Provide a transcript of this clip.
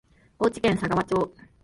高知県佐川町